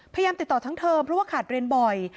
พยายามติดต่อทั้งเทอมเพราะว่าขาดเรียนบ่อย